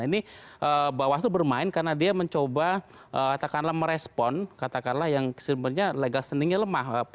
ini bawaslu bermain karena dia mencoba katakanlah merespon katakanlah yang sebenarnya legal standingnya lemah